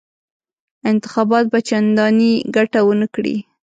انتخابات به چنداني ګټه ونه کړي.